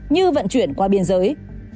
như vận chuyển qua biên giới